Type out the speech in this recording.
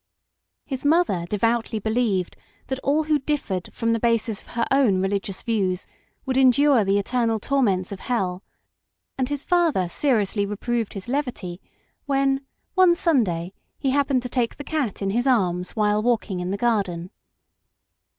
His mother devoutly be lieved that all who differed from the basis of her own religious views would endure the eternal torments of hell ; and his father seriously reproved his levity when, one Sunday, he happened to take the cat in his arras while walking in the garden.